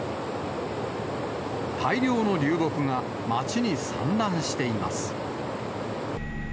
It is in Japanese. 大量の流木が町に散乱しています。